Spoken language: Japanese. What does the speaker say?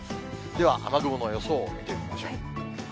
では雨雲の予想を見てみましょう。